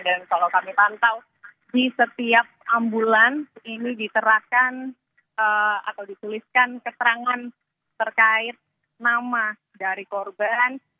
dan kalau kami pantau di setiap ambulans ini diterakan atau disuliskan keterangan terkait nama dari korban